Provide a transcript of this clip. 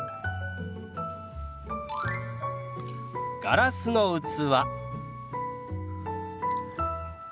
「ガラスの器」。